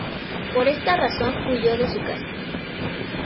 Por esta razón, huyó de su casa.